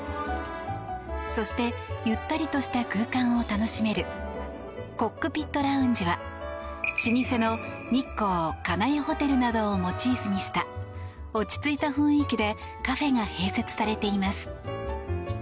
そして、ゆったりとした空間を楽しめるコックピットラウンジは老舗の日光金谷ホテルなどをモチーフにした落ち着いた雰囲気でカフェが併設されています。